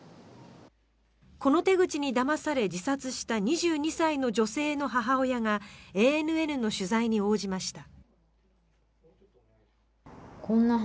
この手口にだまされ自殺した２２歳の女性の母親がＡＮＮの取材に応じました。